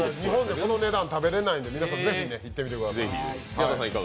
この値段、食べられないので皆さん、是非、いってください。